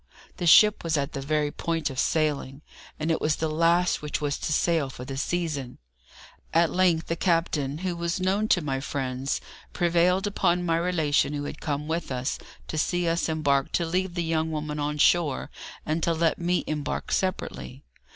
The ship was at the very point of sailing, and it was the last which was to sail for the season. At length the captain, who was known to my friends, prevailed upon my relation who had come with us to see us embark to leave the young woman on shore, and to let me embark separately.